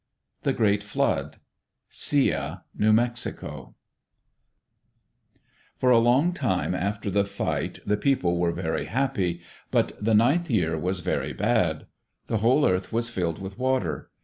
The Great Flood Sia (New Mexico) For a long time after the fight, the people were very happy, but the ninth year was very bad. The whole earth was filled with water.